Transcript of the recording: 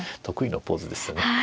得意のポーズですよね。